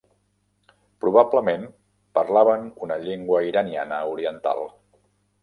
Probablement parlaven una llengua iraniana oriental.